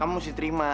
kamu mesti terima